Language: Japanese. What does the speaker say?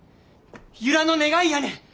由良の願いやねん！